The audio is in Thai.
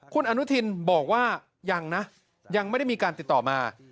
คุณอนุทินบอกว่ายังนะยังไม่ได้มีการติดต่อมา